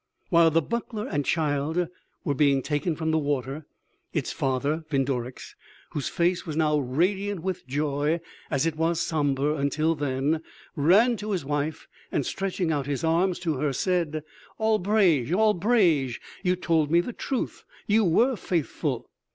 "While the buckler and child were being taken from the water, its father Vindorix, whose face was now as radiant with joy as it was somber until then, ran to his wife, and stretching out his arms to her said:" "'Albrege!... Albrege!... You told me the truth.... You were faithful!'"